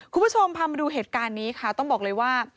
คุณผู้ชมพามาดูเหตุการณ์นี้ค่ะต้องบอกเลยว่า